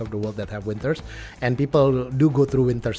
ada banyak bagian dunia yang memiliki musim panas